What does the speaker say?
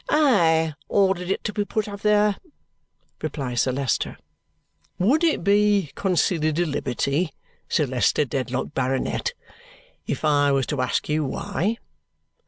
"I ordered it to be put up there," replies Sir Leicester. "Would it be considered a liberty, Sir Leicester Dedlock, Baronet, if I was to ask you why?"